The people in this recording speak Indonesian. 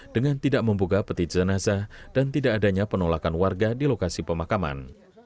dengan tidak membuka peti jenazah dan tidak adanya penolakan warga di lokasi pemakaman